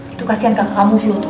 itu kasihan kakak kamu vlo tuh